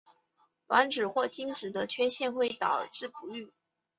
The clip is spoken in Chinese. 卵子或精子的缺陷会导致不育。